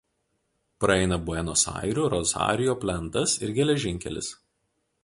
Praeina Buenos Airių–Rosarijo plentas ir geležinkelis.